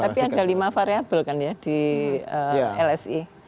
tapi ada lima variable kan ya di lsi